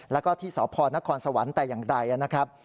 แล้วก็ที่สพนครสวรรค์แต่อย่างใดนะครับ